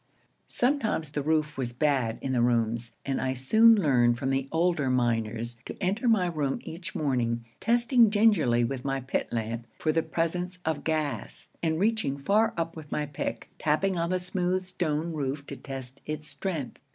Sometimes the roof was bad in the rooms, and I soon learned from the older miners to enter my room each morning testing gingerly with my pit lamp for the presence of gas, and reaching far up with my pick, tapping on the smooth stone roof to test its strength.